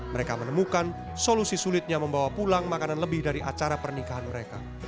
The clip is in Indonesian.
mereka menemukan solusi sulitnya membawa pulang makanan lebih dari acara pernikahan mereka